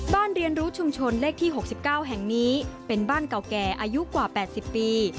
เรียนรู้ชุมชนเลขที่๖๙แห่งนี้เป็นบ้านเก่าแก่อายุกว่า๘๐ปี